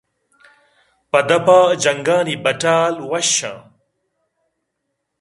پہ دپ ءَ جنگانی بٹال وشّاں